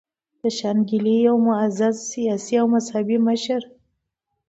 د شانګلې يو معزز سياسي او مذهبي مشر